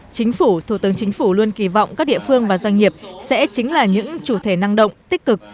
chính phủ thủ tướng chính phủ luôn kỳ vọng các địa phương và doanh nghiệp sẽ chính là những chủ thể năng động tích cực